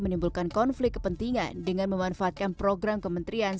menimbulkan konflik kepentingan dengan memanfaatkan program kementerian